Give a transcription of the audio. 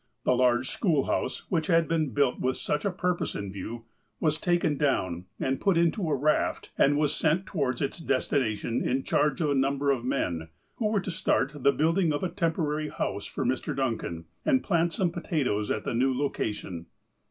The large schoolhouse, which had been built with such a purpose in view, was taken down and put into a raft, and was sent towards its destination, in charge of a number of men, who were to start the build ing of a temporary house for Mr. Duncan, and plant some potatoes at the new location.